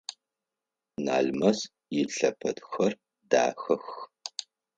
Налмэс илъэпэдхэр дахэх.